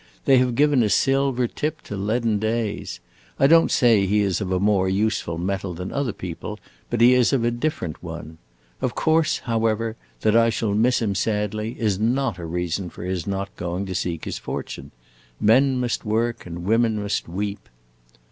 They have given a silver tip to leaden days. I don't say he is of a more useful metal than other people, but he is of a different one. Of course, however, that I shall miss him sadly is not a reason for his not going to seek his fortune. Men must work and women must weep!"